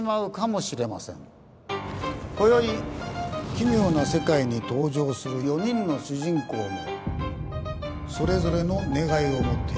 こよい奇妙な世界に登場する４人の主人公もそれぞれの願いを持っているようです。